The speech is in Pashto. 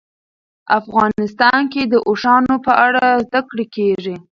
افغانستان کې د اوښانو په اړه زده کړه کېږي.